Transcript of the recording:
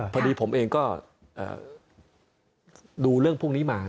พอดีผมเองก็ดูเรื่องพวกนี้มา